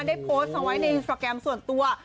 ได้โพสต์เอาไว้ในอินสตราแกรมส่วนตัว